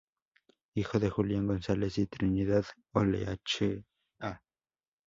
Hijo de Julián González y Trinidad Olaechea.